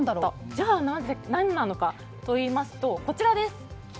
じゃあ何なのかといいますとこちらです。